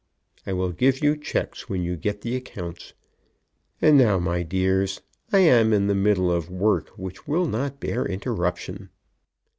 I will give you cheques when you get the accounts. And now, my dears, I am in the middle of work which will not bear interruption."